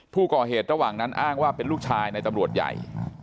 ผู้ก่อเหตุระหว่างนั้นอ้างว่าเป็นลูกชายในตำรวจใหญ่